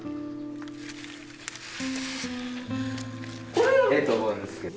これはええと思うんですけど。